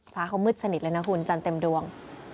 ฟ้าเขามืดสนิทเลยนะคุณจันทร์เต็มดวง